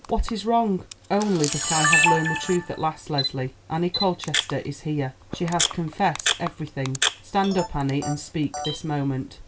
What is wrong?" "Only that I have learned the truth at last, Leslie. Annie Colchester is here; she has confessed everything. Stand up, Annie, and speak this moment."